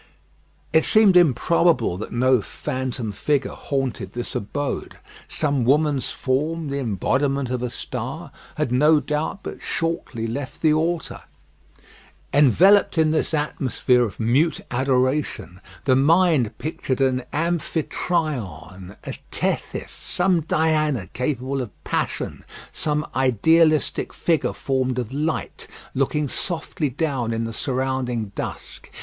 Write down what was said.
It seemed improbable that no phantom figure haunted this abode. Some woman's form, the embodiment of a star, had no doubt but shortly left the altar. Enveloped in this atmosphere of mute adoration the mind pictured an Amphitryon, a Tethys, some Diana capable of passion, some idealistic figure formed of light, looking softly down in the surrounding dusk.